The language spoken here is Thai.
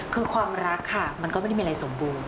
คือความรักค่ะมันก็ไม่ได้มีอะไรสมบูรณ